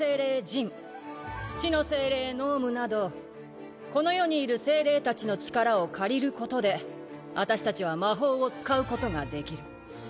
ジン土の精霊ノームなどこの世にいる精霊たちの力を借りることで私たちは魔法を使うことができる。